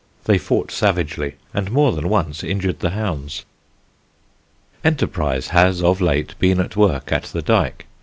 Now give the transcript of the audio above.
They fought savagely and more than once injured the hounds. Enterprise has of late been at work at the Dyke.